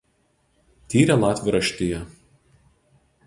Tyrė latvių raštiją.